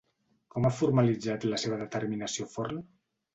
Com ha formalitzat la seva determinació Forn?